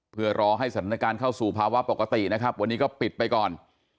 เพื่อรอให้สถานการณ์เข้าสู่ภาวะปกตินะครับวันนี้ก็ปิดไปก่อน